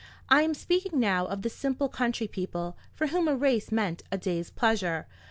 I am speaking now of the simple country people, for whom a race meant a day's pleasure.